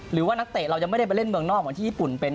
หรือว่านักเตะเรายังไม่ได้ไปเล่นเมืองนอกเหมือนที่ญี่ปุ่นเป็น